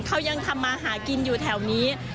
เขายังทำมาหากินอยู่แถวนี้